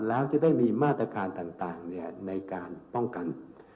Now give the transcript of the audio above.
แล้วจะได้มีมาตรการต่างในการป้องกัน